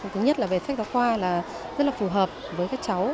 thứ nhất là về sách giáo khoa là rất là phù hợp với các cháu